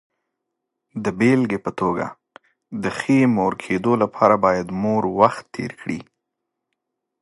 د بېلګې په توګه، د ښې مور کېدو لپاره باید مور وخت تېر کړي.